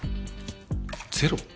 ゼロ？